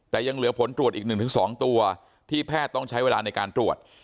แต่ยังเหลือผลตรวจอีก๑๒ตัวที่แพทย์ต้องใช้เวลาในการตรวจ